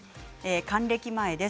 還暦前です。